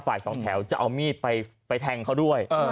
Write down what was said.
ฝ่าฝ่าย๒แถวจะเอามีดไปแทงเขาด้วย